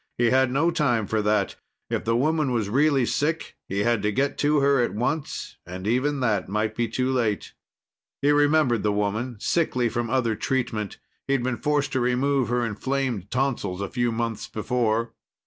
He had no time for that. If the woman was really sick, he had to get to her at once, and even that might be too late. He remembered the woman, sickly from other treatment. He'd been forced to remove her inflamed tonsils a few months before.